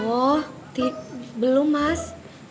oh belum mas